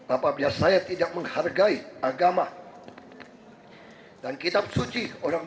apabila saya tidak menghargai agama dan kitab suci orang